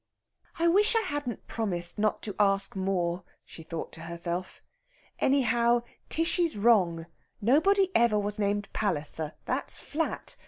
"I wish I hadn't promised not to ask more," she thought to herself. "Anyhow, Tishy's wrong. Nobody ever was named Palliser that's flat!